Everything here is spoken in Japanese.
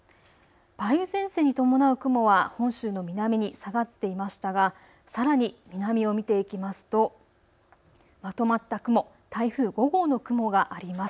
梅雨前線に伴う雲は本州の南に下がっていましたがさらに南を見ていきますとまとまった雲、台風５号の雲があります。